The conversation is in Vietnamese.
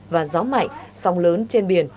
và gió mạnh sông lớn trên biển